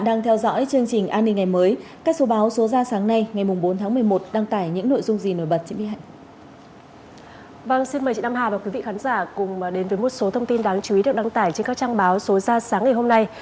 vâng xin mời chị nam hà và quý vị khán giả cùng đến với một số thông tin đáng chú ý được đăng tải trên các trang báo số ra sáng ngày hôm nay